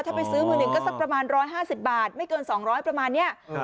ถ้าไปซื้อมือหนึ่งก็สักประมาณ๑๕๐บาทไม่เกิน๒๐๐ประมาณนี้